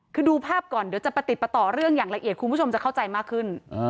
คือดูภาพก่อนเดี๋ยวจะประติดประต่อเรื่องอย่างละเอียดคุณผู้ชมจะเข้าใจมากขึ้น